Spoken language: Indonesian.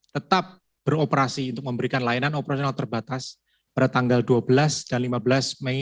tetap beroperasi untuk memberikan layanan operasional terbatas pada tanggal dua belas dan lima belas mei dua ribu dua puluh satu